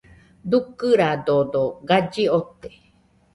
Dukɨradodo galli ote.